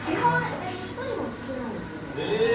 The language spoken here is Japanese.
私１人が好きなんですよね。